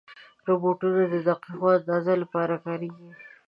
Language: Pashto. روبوټونه د دقیقو اندازو لپاره کارېږي.